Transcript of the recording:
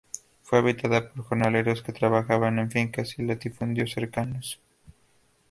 Fue habitada por jornaleros que trabajaban en fincas y latifundios cercanos.